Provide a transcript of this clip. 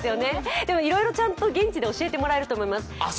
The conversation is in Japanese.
でもいろいろ現地でちゃんと教えてもらえると思います。